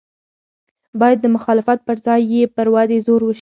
باید د مخالفت پر ځای یې پر ودې زور وشي.